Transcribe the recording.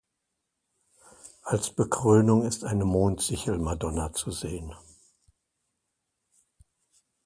Als Bekrönung ist eine Mondsichelmadonna zu sehen.